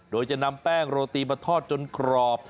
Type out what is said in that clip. โดยจะนำแป้งโรตีมาทอดจนกรอบ